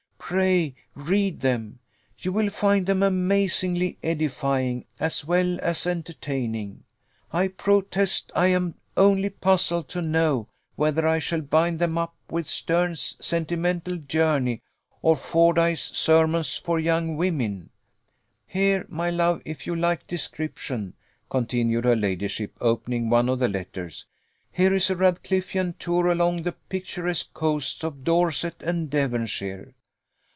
"Pray, read them; you will find them amazingly edifying, as well as entertaining. I protest I am only puzzled to know whether I shall bind them up with Sterne's Sentimental Journey or Fordyce's Sermons for Young Women. Here, my love, if you like description," continued her ladyship, opening one of the letters, "here is a Radcliffean tour along the picturesque coasts of Dorset and Devonshire.